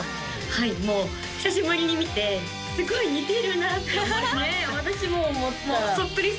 はいもう久しぶりに見てすごい似てるなって思いましたねえ